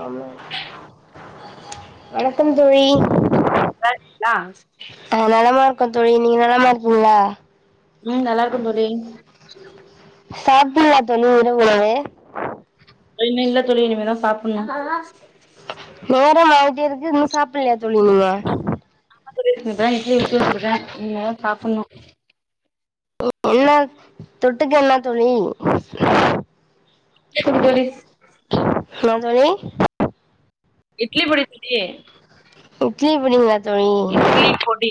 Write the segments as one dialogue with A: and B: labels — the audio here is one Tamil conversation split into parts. A: [unintelligible] வணக்கம் தோழி
B: அ நா
A: க்கம் தோழி நீங்க நலமா இருக்கீங்களா
B: உம் நல்லா இருக்கே தோழி
A: சாப்டல தோழி இரவுலமே
B: இன்னு இல்ல தோழி இனிமேதா சாப்டணு
A: ஏ இன்னு சாப்பிடலயா தோழி நீங்க
B: [unintelligible] இப்பதா இட்லி ஊத்தி வச்சுருக்கே இனிமேதா சாப்புடணு
A: என்ன தொட்டுக்க என்ன தோழி
B: [unintelligible] தோழி
A: என்ன தோழி
B: இட்லி பொடி [unintelligible]
A: இட்லி பொடிங்க
B: இட்லி பொடி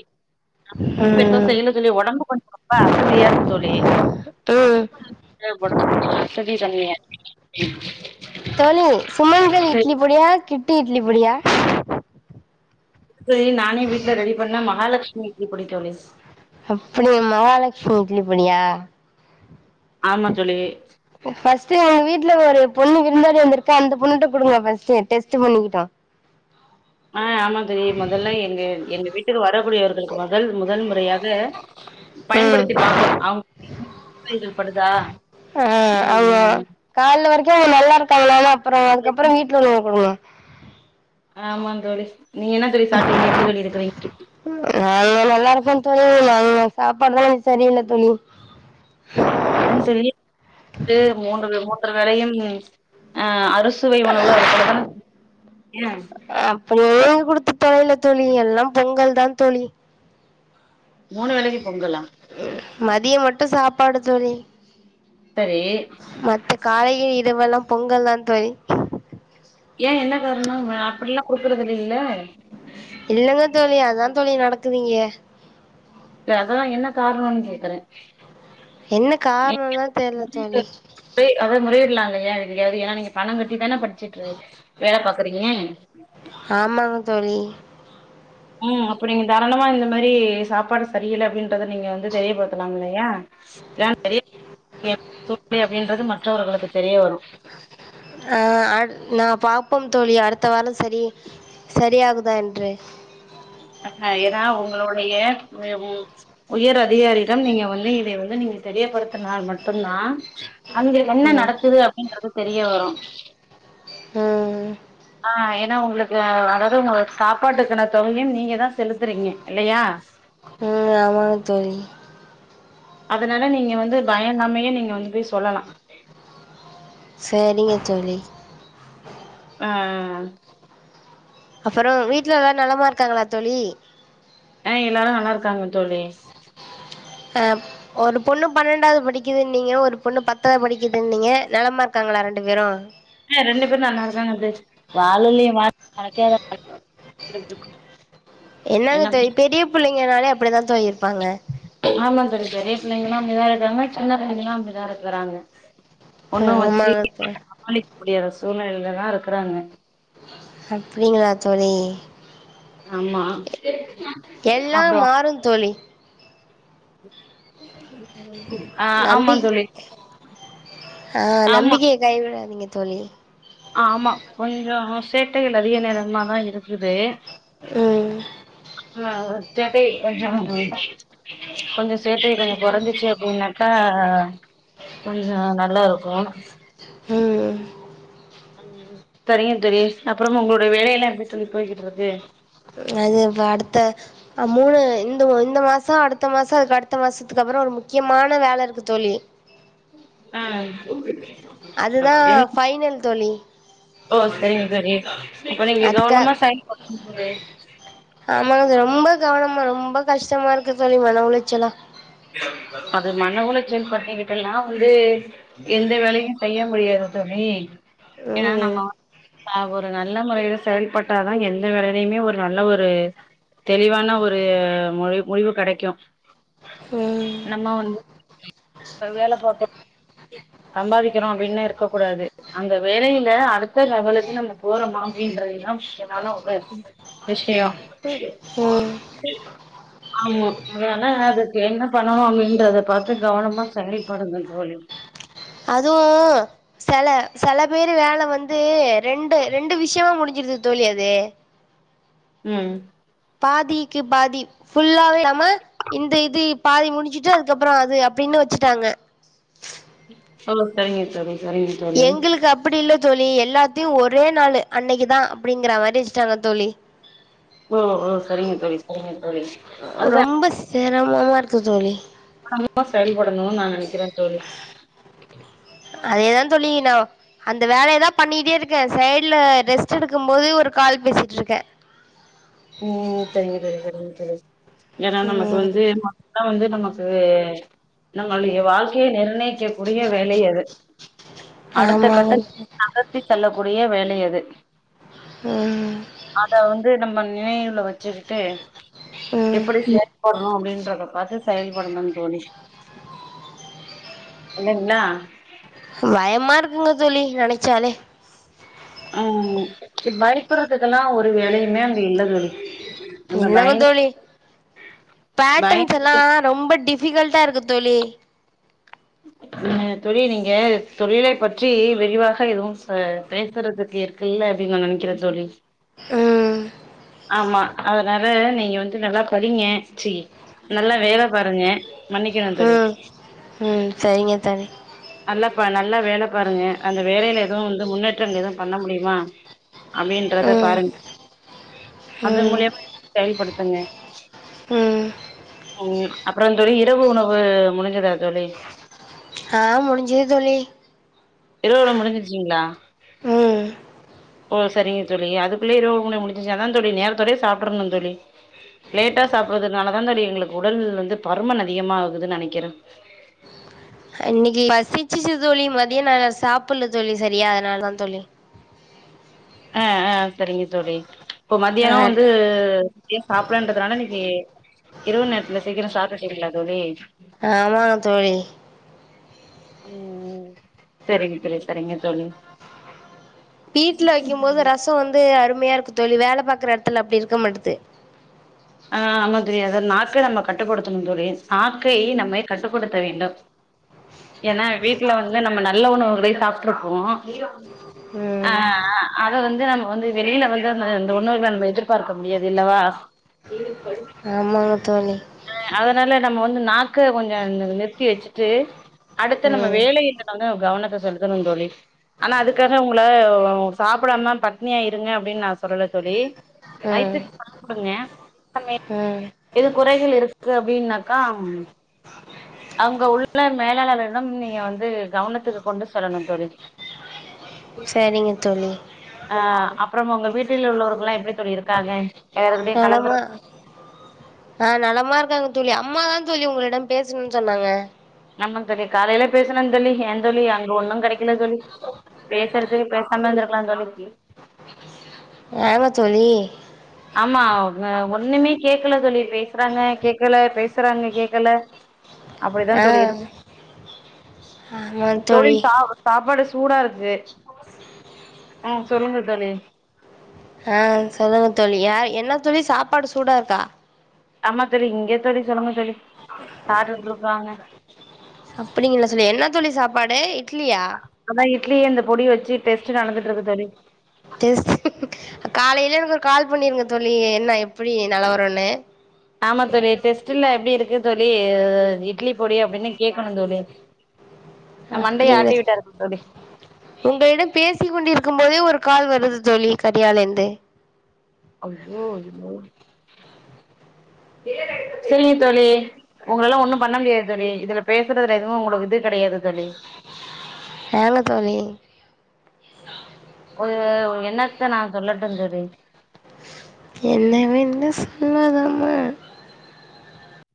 B: அ பெருசா
A: ம்
B: செய்யல தோழி ஒடம்பு கொஞ்ச ரொம்ப அசதியா இருக்கு தோழி
A: ம்
B: [inaudible] ஒடம்பு அசதி [unintelligible] ம்
A: தோழி சுமங்கலி இட்லி பொடியா கிட் ட்டு இட்லி பொடியா
B: சரி நானே வீட்ல ரெடி பண்ணா மகாலட்ச் லி இட்லி பொடி தோழி
A: அப்டி மகாலட்சுமி இட்லிப் பொடியா
B: ஆமா தோழி
A: ஸ்ட்டு உங்க வீட்ல ஒரு பொண்ணு விருந்தாளி வந்துருக்கா அந்த பொண்ணுகிட்ட குடுங்க ஃபர்ஸ்ட்டு டெஸ்ட்டு பண்ணிக்கிட்டு
B: ஆ ஆமா தோழி மொதல்ல எங்க-எங்க வீட்டுக்கு வர கூடியவர்களுக்கு மொதல்-முதன் முறையாக [unintelligible]
A: ம்
B: பயன்படுத்தி பாப்போம் அவு [unintelligible] படுதா
A: ஆ ஆமா
B: ம்
A: கால்ல வர [inaudible] அப்றோ அதுக்கப்றோ வீட்ல [unintelligible]
B: ஹா மா தோழி நீங்க என்ன தோழி சாப்டீங்க எப்டி தோழி இருக்கிறிங்க
A: [unintelligible] சாப்பாடுத சரி இல்ல தோழி
B: [unintelligible] சொல்லி இது மூன்று மூன்று வேளையும் ஆ அறுசுவை உணவு அது போலதான
A: அப்போ கொடுத்து தொலையில தோழி எல்லாம் பொங்கல் தான் தோழி
B: மூணு வேளைக்கு பொங்கலா
A: ப்பாடு தோழி
B: செரி
A: மத்த காலையில் இதுவல்லாம் பொங்கல் தான் தோழி
B: ஏன் என்ன காரணம் அப்டியெல்லாம் குடுக்குறது இல்லேல
A: இல்லங்க தோழி அதான் தோழி நடக்குதுங்க
B: இல்ல அதா என்ன காரணோன்னு கேக்குறே
A: என்ன
B: ஏன்
A: காரணம் தான் தெரில
B: முறையிட்டு
A: தோழி
B: அத முறையிடலாங்க [unintelligible] நீங்க பணம் கட்டி தானே படிச்சிட்டு வேலை பாக்குறீங்க
A: ஆமாங்க தோழி
B: ம் அப்ப நீங்க தாராளமா இந்த மாரி சாப்பாடு சரியில்ல அப்டின்றத நீங்க வந்து தெரியப்படுத்தலாம் இல்லையா [inaudible] அப்டின்றது மற்றவர்களுக்கு தெரிய வரும்
A: ப்போம் தோழி அடுத்த வாரம் சரி சரியாகுதா என்று
B: ஹா ஏனா உங்களுடைய உயர் அதிகாரியிடம் நீங்க வந்து இதை வந்து நீங்க தெரியப்படுத்தினால் மட்டும் தான் அங்க என்ன
A: ம்
B: நடக்குது அப்டின்றது தெரிய வரு
A: உம்
B: ஹா ஏனா உங்களுக்கு அதாவது உங்க சாப்பாட்டுக்கான தொகையும் நீங்க தான் செலுத்துறீங்க இல்லையா
A: ம் ஆமாங்க தோழி
B: அதனால நீங்க வந்து பயங்காமையே நீங்க வந்து சொல்லாம்
A: செரிங்க தோழி
B: ஹா
A: அப்புறம் வீட்ல எல்லாம் நலமா இருக்காங்களா தோழி
B: ஆ எல்லாரு நல்லா இருக்காங்க தோழி
A: ஆ ஒரு பொண்ணு பன்னெண்டாவது படிக்குதுன்னீங்க ஒரு பொண்ணு பத்தாவது படிக்குதுன்னீங்க நலமா இருக்காங்களா ரெண்டு பேரும்
B: ஆ ரெண்டு பேரும் நாங்க அரசாங்கோ தேர்ச்சி வாழ எலைய வாத் [unintelligible] [unintelligible]
A: என்னங்க தெர்யு பெரிய புள்ளைங் என்னால அப்டிதா
B: ஆமா சார் பெரிய புள்ளைங்கல்லா மூவாயிரத் சின்னபுள்ளைங்களா அப்டிதா இருக்கிறாங்க ஒண்ண வச்சு
A: ஆமாங்க தோழி
B: [inaudible] சமாளிக்க முடியாத சூழ்நிலைலதா இருக்குறாங்க
A: அப்டிங்களா தோழி
B: ஆமா
A: எல்லா
B: அப்றோ
A: மாறுந் தோழி
B: [inaudible] ஆ ஆமா
A: நம்பி
B: தோழி
A: ஆஹ்
B: ஆமா
A: நம்பிக்கைய கைவிடாதீங்க தோழி
B: ஆமா கொஞ்சோ சேட்டைகள் அதிக நேரமாதா இருக்குது
A: ம்
B: ஆஹ் சேட்டை கொஞ்சோ-கொஞ்சோ சேட்ட கொஞ்சம் கொரஞ்சுடுச்சு அப்டின்னா ஆ ஆ ஆ கொஞ்சோ நல்லாருக்கு
A: உம்
B: ம் தெரியுந் தெரியு அப்றம் உங்களுடைய வேலையெல்லா எப்டி தோழி போயிட்ருக்கு
A: அது அடுத்த மூணு இந்த இந்த மாசோ அடுத்த மாசோ அதுக்கடுத்த மாசத்துக்கு அப்புறோ ஒரு முக்கியமான வேலயிருக்கு தோழி
B: ஆஹ்
A: அதுதா
B: [unintelligible]
A: ஃபைனல் தோழி
B: ஓ செரிங்க செரி [unintelligible] அப்ப நீங்க
A: அதுக்கா
B: கவனமா செயல்பட்றனு தோழி
A: ஆமாங்க அது
B: [unintelligible]
A: ரொம்ப கவனமா ரொம்ப கஷ்டமா இருக்கு தோழி மன உளைச்சலா
B: அது மன உளைச்சல் [unintelligible] வந்து எந்த வேலையோ செய்ய முடியாது தோழி ஏன்னா
A: ம்
B: நம்ம ஆ ஒரு நல்ல முறையில செயல்பட்டாதா எந்த வேலையிலுமே ஒரு நல்ல ஒரு தெளிவான ஒரு முடி முடிவு கெடைக்கு
A: ம்
B: நம்ம வந்து [inaudible] அ வேல பாக்க சம்பாதிக்கிறோ அப்டின்னே இருக்கக்கூடாது அந்த வேலையில அடுத்த லெவலுக்கு நம்ம போறோமா அப்டிங்குறதுதா முக்கியமான ஒரு விஷியோ
A: ம்
B: [unintelligible] ஆமா னா அ என்ன பண்ணணும் அப்படின்றத பார்த்து கவனமா செயல்படுங்க தோழி
A: அதுவும் சில சில பேரு வேலை வந்து ரெண்டு ரெண்டு விஷயமா முடிஞ்சிருது தோழி அது
B: உம்
A: பாதிக்கு பாதி ஃபுல்லாவே இல்லாம இந்த இது பாதி முடிஞச்சுட்டு அதுக்கப்புறம் அது அப்படின்னு வச்சுட்டாங்க
B: [unintelligible] சரிங்க தோழி சரிங்க தோழி
A: எங்களுக்கு அப்படி இல்ல தோழி எல்லாத்தையும் ஒரே நாள் அன்னைக்குதான் அப்படிங்கற மாதிரி வச்சுட்டாங்க தோழி
B: ஓ ஓ சரிங்க தோழி சரிங்க தோழி அதுதா
A: ரொம்ப சே [unintelligible] மா இருக்கு தோழி
B: மா செயல்படணும்னு நான் நினைக்கிறேன் தோழி
A: அதேதான் தோழி நா அந்த வேலயதான் பண்ணிட்டே இருக்கேன் சைடு்ல ரெஸ்ட் எடுக்கும் போது ஒரு கால் பேசிட்டு இருக்கேன்
B: உம் செரிங்க தோழி செரிங்க சரி ஏன்னா நமக்கு
A: ம்
B: வந்து [unintelligible] வந்து நமக்கு நம்மளுடைய வாழ்க்கைய நிர்ணய க்க கூடிய வேலை அது அடுத்த கட்ட
A: ஆமாங்க
B: நகத்தி தல்லக்கூடிய வேலை கிடையது
A: ம்
B: அத வந்து நம்ம நினைவுல வச்சுக்கிட்டு
A: ம்
B: எப்படி ச போடறும் அப்படின்னு [unintelligible] பார்த்து செயல்படணும் தோழி இல்லைங்ளா
A: பயமா இருக்குங்க தோழி நனைச்சாலே
B: உம் இ பயக்கறதுக்கெல்லாம் ஒரு வேலையுமே அங்க இல்ல தோழி நம்ம
A: என்னங்க
B: பயந்
A: தோழி பேட்டன்ஸ்
B: பயந்துகிட்டு
A: எல்லாம் ரொம்ப டி டிபிகல்ட்டா இருக்கு தோழி
B: அஹ தொழி நீங்க தொழிலை பற்றி விரிவாக எதுவும் பேசுறதுக்கு இருக்குல்ல அப்படின்ங்க நினைக்கிற தோழி
A: உம்
B: ஆமா அதனால நீங்க வந்து நல்லா படிங்க சி நல்லா வேலை பாருங்க மன்னிக்கணும் தோழி
A: ம் ம் சரிங்க தோழி
B: நல்லா ப நல்லா வேலை பாருங்க அந்த வேலையில எதுவும் வந்து முன்னேற்றங்கள் எதுவும் பண்ண முடியுமா அப்படின்றத
A: ம்
B: பாருங்கள் அது மூலியமா செயல்படுத் பண்ணே
A: உம்
B: உம் அப்புறம் தோழி இரவு உணவு முடிஞ்சதா தோழி
A: ஆஹ் முடிஞ்சுது தோழி
B: த்தோட முடிஞ்சிருச்சிங்களா
A: ம்
B: ஓ சரிங்க தோழி அதுக்குள்ளய இரவுணவு முடிஞ்சிருச்சு அதான் தோழி நேரத்தோடே சாப்பிட்றணும்னு தோழி லேட்டா சாப்பிறதுனால தான் தோழி எங்களுக்கு உடல் வந்து பருமன் அதிகமா ஆகுதுன்னு நனைக்கிறேன்
A: இன்னைக்கி பசிச்சுச்சு தோழி மதியோ நா சாப்படல தோழி சரியா அதனாலதா தோழி
B: ஆஹ் ஆஹ் சரிங்க தோழி இப்போ
A: ஆ
B: மத்தியானோ வந்து ங்கயு சாப்டலன்றதுனால இன்னைக்கி இரவு நேரத்துல சீக்கிரோ சாப்டுட்டீங்களா தோழி
A: ஆமாங்க தோழி
B: உம் உம் சரிங்க சரி சரிங்க தோழி
A: வீட்ல வைக்கும் போது ரசோ வந்து அற் மையா இருக்கு தோழி வேல பார்கற எட்த்துல அப்டி இருக்க மாட்டுது
B: ஆஹ் ஆமா தோழி அது நாக்கை நம்ம கட்டுப்படுத்தணு தோழி நாக்கை நம்மை கட்டுப்படுத்த வேண்டும் ஏன்னா வீட்ல வந்து நம்ம நல்ல உணவுகளை சாப்ட்டுருப்போம
A: ம்
B: ஆஹ் ஆஹ் அத வந்து நம்ம வந்து வெளியில வந்து அந்த உணவுகள நம்ம எதிர்பார்க்க முடியாது இல்லவா [unintelligible]
A: மாங்க தோழி
B: ஹ அதனால நம்ம வந்து நாக்க கொஞ்சம் நி நிறுத்தி வச்சுட்டு அடுத்த நம்ம
A: ம்
B: வேலை [unintelligible] கவனத்தை செலுத்தணும் தோழி ஆனா அதுக்காக உங்கள சாப்டாம பட்னியா இருங்க அப்டின்னு நான் சொல்லல தோழி
A: ம்
B: வய்த்துக்கு சாப்டுங்க
A: ம்
B: [unintelligible] குறை இதுல இருக்கு அப்டின்னாக்கா அங்க உள்ள மேலாளர்களிடம் நீங்க வந்து கவனத்துக்கு கொண்டு செல்லணு தோழி
A: சரிங்க தோழி
B: ஹா அப்புறம் உங்க வீட்டில் உள்ளவர்கள் எல்லாம் எப்டி தோழி இருக்காங்க எல்லார்கிட்டயு கலந்துர
A: நலமா ஆஹ் நலமா இருக் ங்காங்க தோழி அம்மாதான் தோழி உங்களிடம் பேசணுன்னு சொன்னாங்க
B: நம்ம இப்ப இது காலைல பேசலா தோழி ஏன் தோழி அங்க ஒன்னும் கெடைக்கல தோழி பேசுறதுக்கு பேசாம இருந்திருக்கலா தோழி
A: ஆமா தோழி
B: ஆமா ஆ ஒண்ணுமே கேக்கல தோழி பேசுறாங்க கேக்கல பேசுறாங்க கேக்கல அப்டிதா
A: ஆ
B: தோழி இருக் தோழி சா சாப்பாடு சூடா இருக்கு ஆஹ் சொல்லுங்க தோழி
A: ஆஹ் சொல்லுங்க தோழி யா என்ன தோழி சாப்பாடு சூடா இருக்கா
B: ஆமா தோழி இங்க தோழி சொல்லுங்க தோழி சார் வந்துருக்றாங்க
A: அப்டிங்களா சொன்ன என்ன ன்னதோழி சாப்பாடு இட்லியா
B: அதா இட்லி அந்த பொடி வச்சு டெஸ்ட் நடந்துட்டு இருக்கு தோழி
A: டெஸ்ட் காலையில எனக்கு ஒரு கால் பண்ணிருங்க தோழி என்ன எப்டி நெலவரனு
B: ஆமா தோழி டெஸ்ட்டெல்லா எப்டி இருக்கு தோழி இட்லி பொடி அப்டின்னு கேக்கணு தோழி மண்டைய
A: அப்டிங்கள
B: ஆட்டி விட்டாரு தோழி
A: உங்களிடம் பேசி கொண்டிருக்கும் இப்பவே ஒரு கால் வருது தோழி கரியாலேருந்து
B: அய்யயோ சேரிங்க தோழி உங்களலாம் ஒண்ணும் பண்ண முடியாது தோழி இதுல பேசுறதுல எதும் உங்களுக்கு இது கிடையாது தோழி
A: யாங்க தோழி
B: ஒரு என்னத்த நா சொல்லட்டு தோழி
A: என்னவென்று சொல்லுவதம்மா